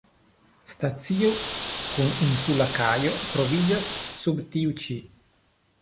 Stacio kun insula kajo troviĝas sub tiu ĉi.